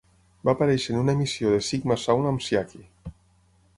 Va aparèixer en una emissió de Sigma Sound amb Sciaky.